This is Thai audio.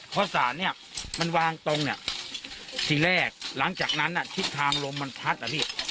เพราะสารเนี่ยมันวางตรงเนี่ยทีแรกหลังจากนั้นทิศทางลมมันพัดอ่ะพี่